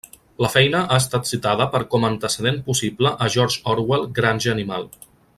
La feina ha estat citada per com a antecedent possible a George Orwell Granja Animal.